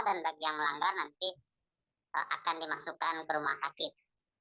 dan bagi yang melanggar nanti akan dimasukkan ke rumah sakit